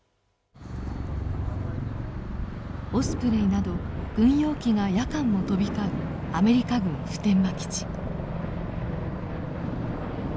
オスプレイなど軍用機が夜間も飛び交うアメリカ軍普天間基地。